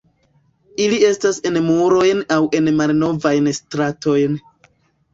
Ili estas en murojn aŭ en malnovajn stratojn.